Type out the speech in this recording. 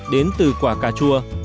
đến từ quả cà chua